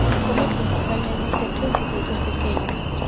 Come principalmente insectos y frutos pequeños.